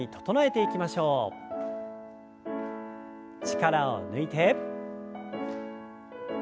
力を抜いて。